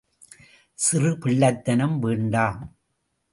சிறு பிள்ளைத்தனம் வேண்டாம்.